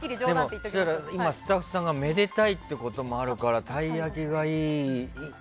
今、スタッフさんがめでたいこともあるからたい焼きがいいって。